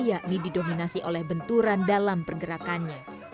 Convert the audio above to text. yakni didominasi oleh benturan dalam pergerakannya